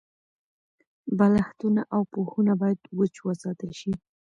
بالښتونه او پوښونه باید وچ وساتل شي.